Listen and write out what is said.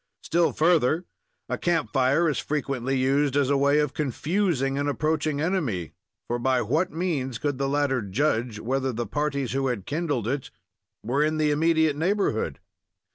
Still further, a camp fire is frequently used as a way of confusing an approaching enemy, for by what means could the latter judge whether the parties who had kindled it were in the immediate neighborhood?